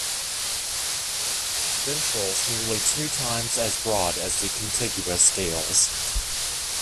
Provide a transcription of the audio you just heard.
Ventrals nearly two times as broad as the contiguous scales.